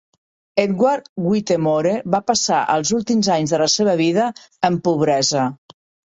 Edward Whittemore va passar els últims anys de la seva vida en pobresa.